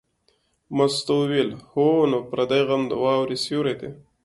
مستو وویل: هو نو پردی غم د واورې سیوری دی.